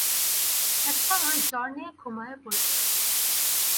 একসময় জ্বর নিয়ে ঘুমায়ে পড়ল।